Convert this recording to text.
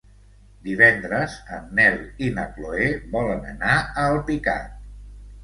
Divendres en Nel i na Chloé volen anar a Alpicat.